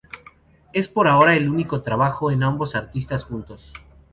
Es por ahora el único trabajo de ambos artistas juntos.